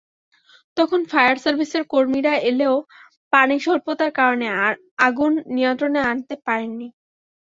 তখন ফায়ার সার্ভিসের কর্মীরা এলেও পানিস্বল্পতার কারণে আগুন নিয়ন্ত্রণে আনতে পারেননি।